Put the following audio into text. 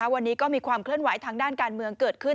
วันนี้ก็มีความเคลื่อนไหวทางด้านการเมืองเกิดขึ้น